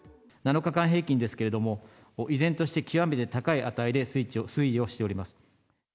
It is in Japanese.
７日間平均ですけれども、依然として極めて高い値で推移をしております。